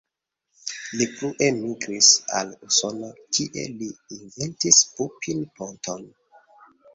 Li frue migris al Usono, kie li inventis Pupin-poton.